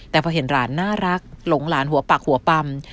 แต่พอเห็นหลานน่ารักหลงหลานหัวปักหัวปำ